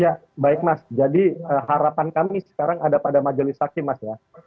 ya baik mas jadi harapan kami sekarang ada pada majelis hakim mas ya